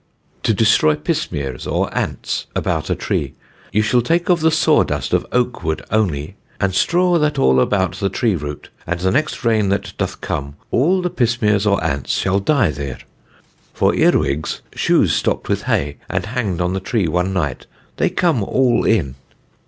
TO DESTROY PISMIERS OR ANTS ABOUT A TREE. Ye shall take of the saw dust of Oke wood oney, and straw that al about the tree root, and the next raine that doth come, all the Pismiers or Ants shall die there. For Earewigges, shooes stopt with hay, and hanged on the tree one night, they come all in.